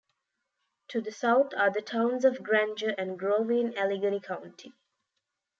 To the south are the towns of Granger and Grove in Allegany County.